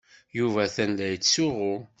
Yuba atan la yettsuɣu.